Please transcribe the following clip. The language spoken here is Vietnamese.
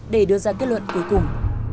để đưa ra kết luận cuối cùng